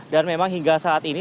dan memang hingga saat ini